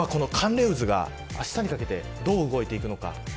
寒冷渦が、あしたにかけてどう動いていくのか。